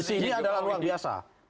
dan hanya di sini adalah luar biasa